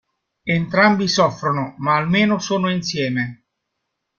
Entrambi soffrono, ma almeno sono insieme.